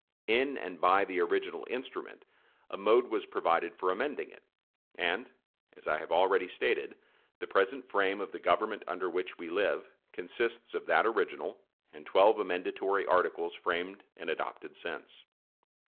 In and by the original instrument, a mode was provided for amending it; and, as I have already stated, the present frame of "the government under which we live" consists of that original, and twelve amendatory articles framed and adopted since.